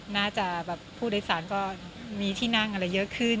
น่าจะแบบผู้โดยสารก็มีที่นั่งอะไรเยอะขึ้น